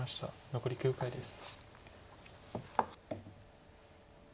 残り９回です。